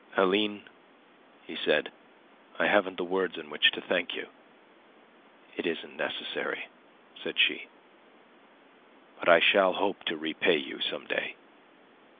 "Aline," he said, "I haven't words in which to thank you." "It isn't necessary," said she. "But I shall hope to repay you some day."